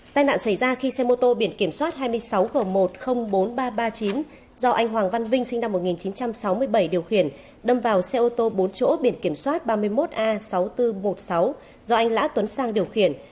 tai nạn xảy ra khi xe mô tô biển kiểm soát hai mươi sáu g một trăm linh bốn nghìn ba trăm ba mươi chín do anh hoàng văn vinh sinh năm một nghìn chín trăm sáu mươi bảy điều khiển đâm vào xe ô tô bốn chỗ biển kiểm soát ba mươi một a sáu nghìn bốn trăm một mươi sáu do anh lã tuấn sang điều khiển